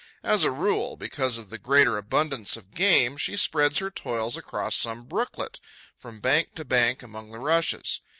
As a rule, because of the greater abundance of game, she spreads her toils across some brooklet, from bank to bank among the rushes.